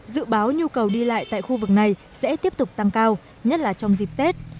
dự báo nhu cầu đi lại tại khu vực này sẽ tiếp tục tăng cao nhất là trong dịp tết